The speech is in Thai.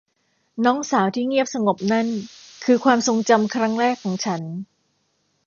น้องสาวที่เงียบสงบนั่นคือความทรงจำครั้งแรกของฉัน